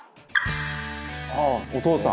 ああお父さん。